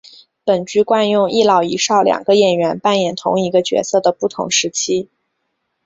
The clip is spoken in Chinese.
本剧惯用一老一少两个演员扮演同一个角色的不同时期。